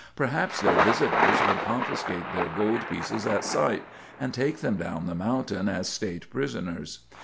Perhaps their visitors would confiscate their gold pieces at sight, and take them down the mountain as State prisoners.